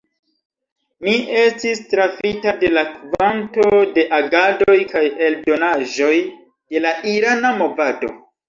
Mi estis trafita de la kvanto de agadoj kaj eldonaĵoj de la irana movado.